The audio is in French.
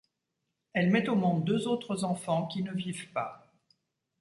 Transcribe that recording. Elle met au monde deux autres enfants, qui ne vivent pas.